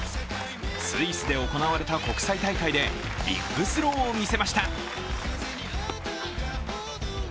スイスで行われた国際大会でビッグスローを見せました。